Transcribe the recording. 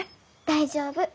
大丈夫。